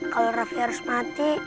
kalau raffi harus mati